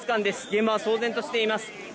現場は騒然としています。